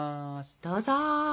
どうぞ。